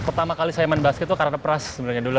pertama kali saya main basket tuh karena pras sebenarnya dulu